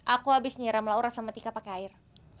aku abis nyiram laura sama tika pakai air